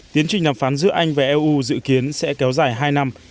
tiến trình đàm phán giữa anh và eu dự kiến sẽ kéo dài hai năm